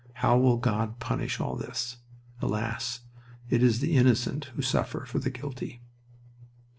How will God punish all this? Alas! it is the innocent who suffer for the guilty."